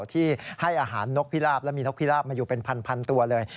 ที่ให้อาหารนกพิราบและมีนกพิราบมาอยู่เป็นพันตัวเลย